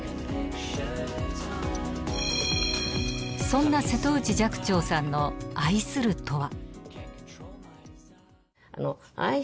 そんな瀬戸内寂聴さんの愛するとは？